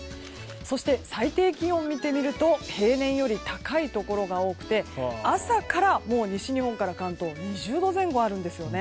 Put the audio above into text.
そして、最低気温を見てみると平年より高いところが多くて朝から西日本から関東２０度前後あるんですね。